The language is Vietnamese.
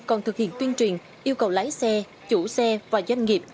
còn thực hiện tuyên truyền yêu cầu lái xe chủ xe và doanh nghiệp